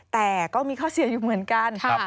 แต่ก็มีข้อเสียอยู่เหมือนกัน